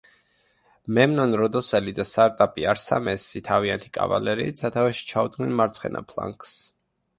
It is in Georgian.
მემნონ როდოსელი და სატრაპი არსამესი თავიანთი კავალერიით სათავეში ჩაუდგნენ მარცხენა ფლანგს.